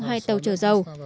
hai tàu trở giàu